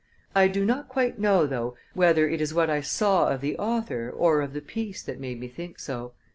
I do not quite know, though, whether it is what I saw of the author or of the piece that made me think so.